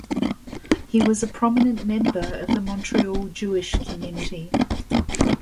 He was a prominent member of the Montreal Jewish community.